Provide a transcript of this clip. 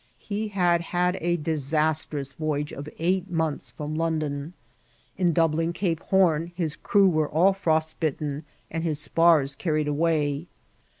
He had had a disastrous voyage of eight months from London ; in doubling Cape Horn his crew were all frostbitten and his spars carried away.